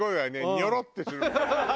ニョロってするもんね。